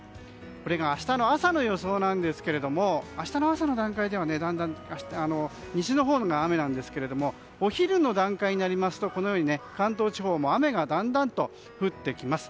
これが明日の朝の予想なんですが明日の朝の段階では西のほうの雨なんですがお昼の段階になりますと関東地方も雨がだんだんと降ってきます。